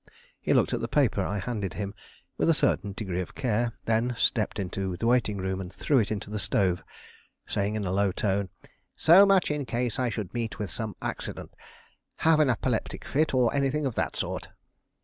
He looked at the paper I handed him with a certain degree of care, then stepped into the waiting room and threw it into the stove, saying in a low tone: "So much in case I should meet with some accident: have an apoplectic fit, or anything of that sort."